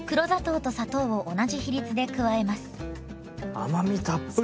甘みたっぷり！